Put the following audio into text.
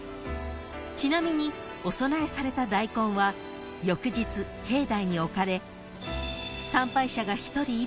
［ちなみにお供えされた大根は翌日境内に置かれ］